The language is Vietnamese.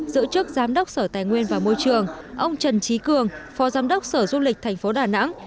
giữ chức giám đốc sở tài nguyên và môi trường ông trần trí cường phó giám đốc sở du lịch thành phố đà nẵng